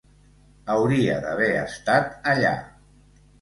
Hauria d'haver estat allà.